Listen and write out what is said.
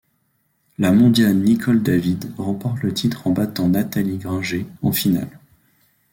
La mondiale Nicol David remporte le titre en battant Natalie Grainger en finale.